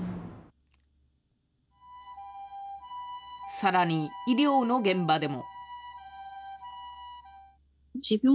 さらに、医療の現場でも。